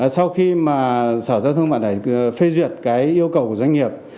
sau khi mà sở giao thông vận tải phê duyệt cái yêu cầu của doanh nghiệp